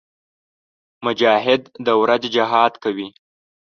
مجاهد د ورځې جهاد کوي.